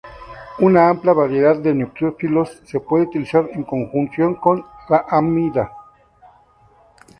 Una amplia variedad de nucleófilos se puede utilizar en conjunción con la amida.